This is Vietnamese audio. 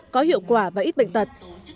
có hiệu quả và ít bệnh tật